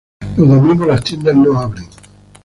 Los domingos las tiendas no abren.